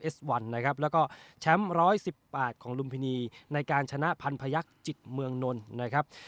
วันนะครับแล้วก็แชมป์๑๑๘ของลุมพินีในการชนะพันพยักษ์จิตเมืองนนท์นะครับ